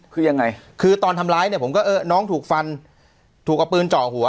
คือยังไงคือตอนทำร้ายเนี่ยผมก็เออน้องถูกฟันถูกเอาปืนเจาะหัว